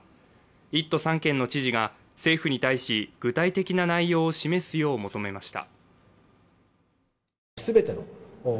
１都３県の知事が政府に対し、具体的な内容を示すよう求めました。